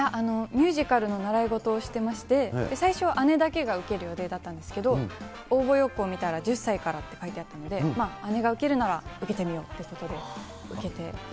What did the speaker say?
ミュージカルの習い事をしてまして、最初は姉だけが受ける予定だったんですけど、応募要項を見たら１０歳からって書いてあったので、姉が受けるなら受けてみようということで、受けて。